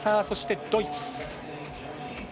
そして、ドイツ。